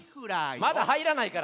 まだはいらないから。